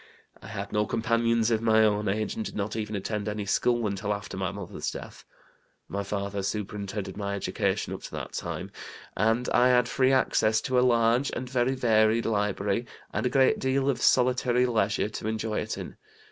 I had no companions of my own age, and did not even attend any school until after my mother's death. My father superintended my education up to that time, and I had free access to a large and very varied library, and a great deal of solitary leisure to enjoy it in.